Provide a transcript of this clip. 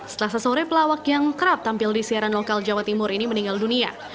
selasa sore pelawak yang kerap tampil di siaran lokal jawa timur ini meninggal dunia